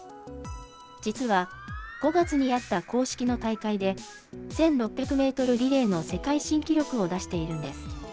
実は、５月にあった公式の大会で、１６００メートルリレーの世界新記録を出しているんです。